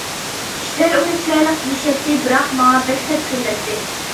كىشىلەر ئۇنى چىرايلىق دېيىشەتتى، بىراق ماڭا بەك سەت كۆرۈنەتتى.